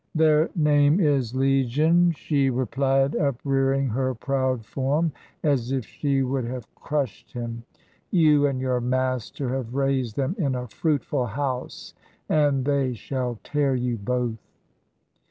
'Their name is Legion,' she re pUed, uprearing her proud form as if she would have crushed him ;' you and your master have raised them in a fruitful house, and they shall tear you both.